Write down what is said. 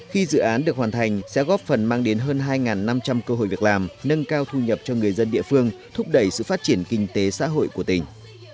khi dự án được hoàn thành sẽ góp phần mang đến hơn hai năm trăm linh cơ hội việc làm nâng cao thu nhập cho người dân địa phương thúc đẩy sự phát triển kinh tế xã hội của tỉnh